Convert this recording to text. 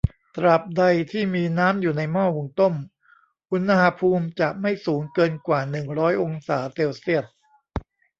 ตราบใดที่มีน้ำอยู่ในหม้อหุงต้มอุณหภูมิจะไม่สูงเกินกว่าหนึ่งร้อยองศาเซลเซียส